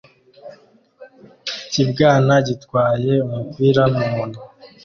ikibwana gitwaye umupira mumunwa